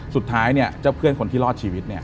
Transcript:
สุดท้ายเจ้าเพื่อนคนที่รอดชีวิต